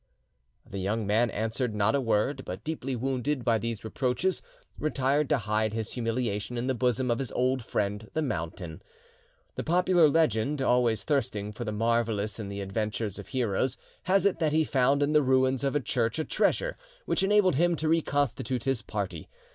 The young man answered not a word, but, deeply wounded by these reproaches, retired to hide his humiliation in the bosom of his old friend the mountain. The popular legend, always thirsting for the marvellous in the adventures of heroes, has it that he found in the ruins of a church a treasure which enabled him to reconstitute his party.